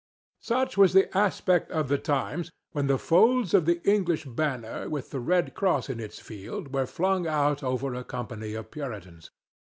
Such was the aspect of the times when the folds of the English banner with the red cross in its field were flung out over a company of Puritans.